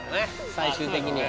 最終的には。